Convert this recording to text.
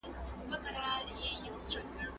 ایا تاسو د نایجیریا مشهور سپک خواړه فش رول خوړلی دی؟